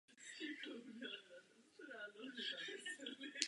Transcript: V dubnu a květnu dosahuje nejvyšších stavů.